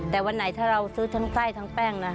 แต่วันไหนถ้าเราซื้อทั้งไส้ทั้งแป้งนะ